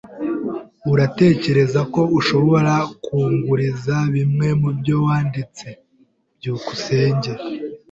Uratekereza ko ushobora kunguriza bimwe mubyo wanditse? byukusenge